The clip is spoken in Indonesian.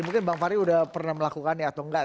mungkin bang fahri udah pernah melakukan ya atau gak